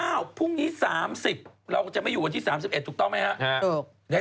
พรุ่งนี้๓๐เราจะไม่อยู่วันที่๓๑ถูกต้องไหมครับ